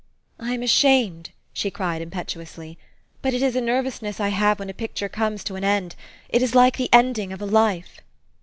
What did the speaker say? " I am ashamed !" she cried impetuously ;" but it is a nervousness I have when a picture comes to an end. It is like the ending of a life."